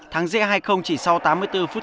thắng dễ hai chỉ sau tám mươi bốn phút